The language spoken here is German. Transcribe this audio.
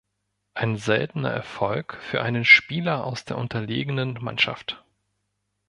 Ein seltener Erfolg für einen Spieler aus der unterlegenen Mannschaft.